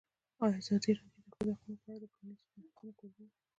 ازادي راډیو د د ښځو حقونه په اړه د پرانیستو بحثونو کوربه وه.